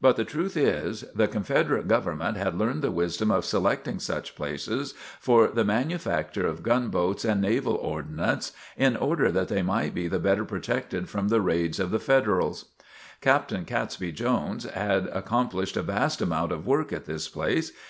But the truth is, the Confederate government had learned the wisdom of selecting such places for the manufacture of gunboats and naval ordnance in order that they might be the better protected from the raids of the Federals. Captain Catesby Jones had accomplished a vast amount of work at this place.